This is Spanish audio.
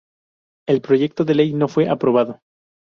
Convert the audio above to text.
El proyecto de ley no fue aprobado.